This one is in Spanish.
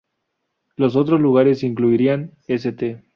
Los otros lugares incluirían St.